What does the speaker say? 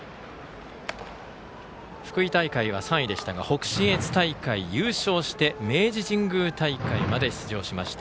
福井大会は３位でしたが北信越大会は優勝して明治神宮大会まで出場しました。